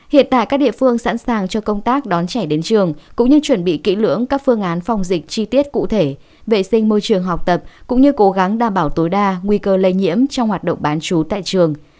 hiện tại các địa phương sẵn sàng cho công tác đón trẻ đến trường cũng như chuẩn bị kỹ lưỡng các phương án phòng dịch chi tiết cụ thể vệ sinh môi trường học tập cũng như cố gắng đảm bảo tối đa nguy cơ lây nhiễm trong hoạt động bán chú tại trường